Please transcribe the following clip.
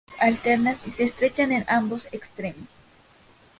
Las hojas son simples, alternas y se estrechan en ambos extremos.